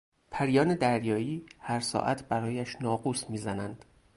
پریان دریایی هر ساعت برایش ناقوس میزنند.